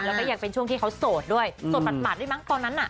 แล้วก็ยังเป็นช่วงที่เขาโสดด้วยโสดปัดด้วยมั้งตอนนั้นน่ะ